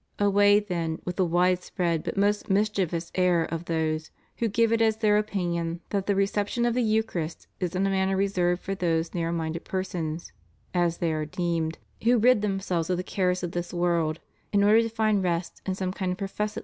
^ Away then with the widespread but most mischievous error of those who give it as their opinion that the reception of the Eucharist is in a manner reserved for those narrow minded persons (as they are deemed) who rid themselves of the cares of the world in order to find rest in some kind of professedly * John iv.